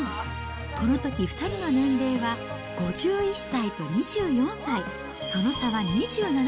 このとき２人の年齢は、５１歳と２４歳。